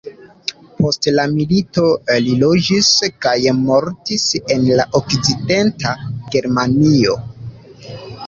Post la milito li loĝis kaj mortis en la okcidenta Germanio.